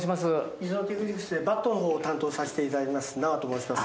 ミズノテクニクスでバットのほうを担当しています名和と申します。